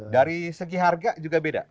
dari segi harga juga beda